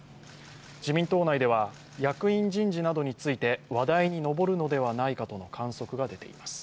自民党内では役員人事などについて話題に上るのではないかとの観測が出ています。